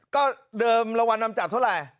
ก็เดิมรางวัลนำจับเท่าไหร่